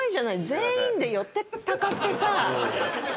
全員で寄ってたかってさ。